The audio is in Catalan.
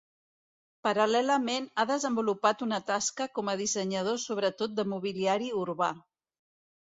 Paral·lelament ha desenvolupat una tasca com a dissenyador sobretot de mobiliari urbà.